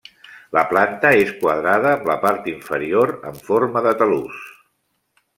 La planta és quadrada amb la part inferior en forma de talús.